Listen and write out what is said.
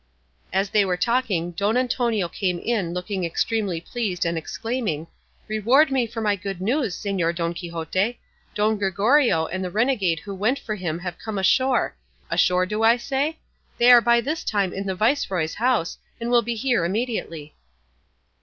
As they were talking Don Antonio came in looking extremely pleased and exclaiming, "Reward me for my good news, Señor Don Quixote! Don Gregorio and the renegade who went for him have come ashore ashore do I say? They are by this time in the viceroy's house, and will be here immediately."